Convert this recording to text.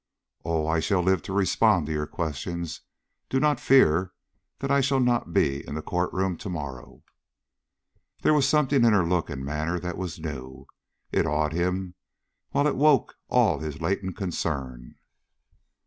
"Oh, I shall live to respond to your questions. Do not fear that I shall not be in the court room to morrow." There was something in her look and manner that was new. It awed him, while it woke all his latent concern.